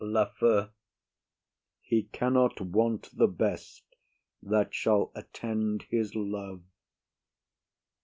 LAFEW. He cannot want the best That shall attend his love.